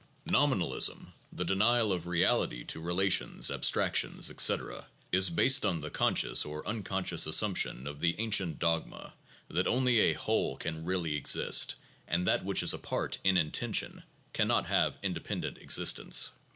Nominalism, the denial of "reality" to relations, abstractions, etc., is based on the conscious or unconscious assumption of the an cient dogma that only a whole can really exist and that which is a part (in intension) can not have independent existence.